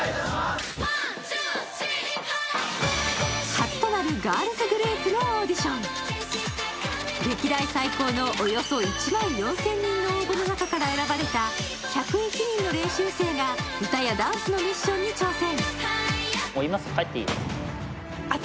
初となるガールズグループのオーディション歴代最高のおよそ１万４０００人の応募の中から選ばれた１０１人の練習生が歌やダンスのミッションに挑戦。